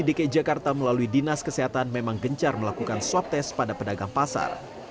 dki jakarta melalui dinas kesehatan memang gencar melakukan swab tes pada pedagang pasar